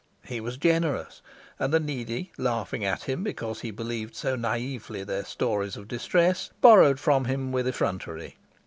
He was generous, and the needy, laughing at him because he believed so naively their stories of distress, borrowed from him with effrontery.